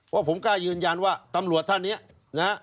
ว่าผมกล้ายืนยันว่าตำรวจท่านเนี่ยนะฮะ